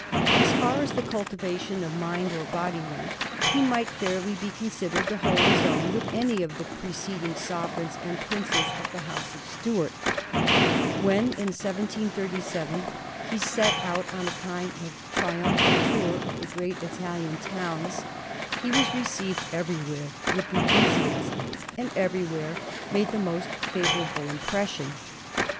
As far as the f ultiUtion of mind or body went, he might fairly be considered to hold his own with any of the preceding sovereigns and princes of the House of Stuart, When in 1737 he set out on a kind of triumph al tour of the great Italian towns, he was received every where with enthusiasm, and everywhere made the most favorable impression.